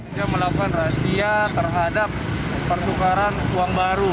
dia melakukan razia terhadap pertukaran uang baru